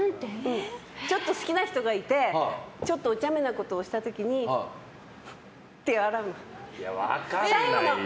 ちょっと好きな人がいてちょっとおちゃめなことをした時にフンッて笑うの。